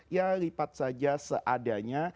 ya lipat saja seadanya